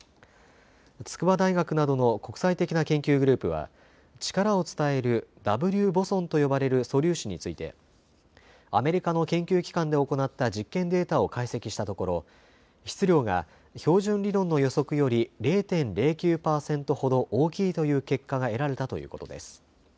筑波大学などの国際的な研究グループは力を伝えるＷボソンと呼ばれる素粒子についてアメリカの研究機関で行った実験データを解析したところ質量が標準理論の予測より０．０９％ほど大きいという結果が得られたということです。